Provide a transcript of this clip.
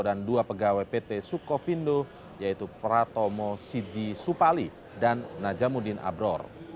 dan dua pegawai pt sukovindo yaitu pratomo sidi supali dan najamudin abror